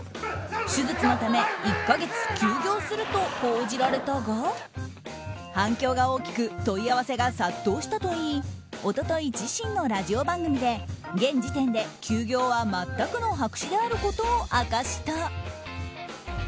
手術のため１か月休業すると報じられたが反響が大きく問い合わせが殺到したといい一昨日、自身のラジオ番組で現時点で休業は全くの白紙であることを明かした。